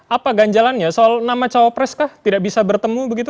apa ganjalannya soal nama cawapres kah tidak bisa bertemu begitu